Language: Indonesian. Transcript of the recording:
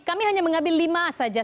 kami hanya mengambil lima saja